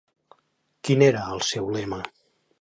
Quin era el seu lema?